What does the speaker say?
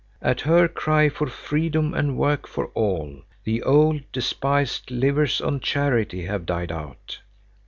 At her cry for freedom and work for all, the old, despised livers on charity have died out.